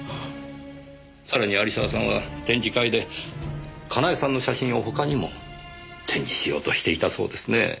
さらに有沢さんは展示会で佳苗さんの写真を他にも展示しようとしていたそうですねぇ。